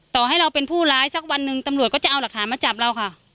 ต่อให้เราเป็นผู้ร้ายสักวันหนึ่งตำรวจก็จะเอาหลักฐานมาจับเราค่ะ